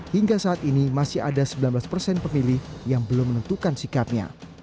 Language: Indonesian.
hingga saat ini masih ada sembilan belas persen pemilih yang belum menentukan sikapnya